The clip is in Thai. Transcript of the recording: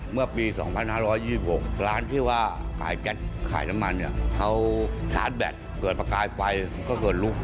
เมื่อปี๒๕๒๖ร้านที่ว่าขายแก๊สขายน้ำมันเนี่ยเขาชาร์จแบตเกิดประกายไฟมันก็เกิดลุก